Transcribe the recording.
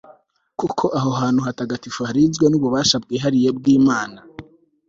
kuko aho hantu hatagatifu harinzwe n'ububasha bwihariye bw'imana